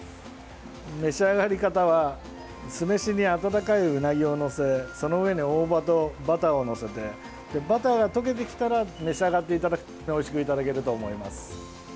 召し上がり方は酢飯に温かいうなぎを載せその上に大葉とバターを載せてバターが溶けてきたら召し上がっていただくとおいしくいただけると思います。